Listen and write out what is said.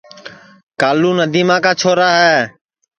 کالو ندیما کا چھورا ہے